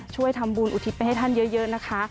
ช่วยทำบุญอุทิศไปให้ท่านเยอะนะคะ